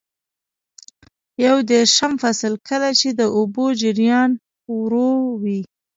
یو دېرشم فصل: کله چې د اوبو جریان ورو وي.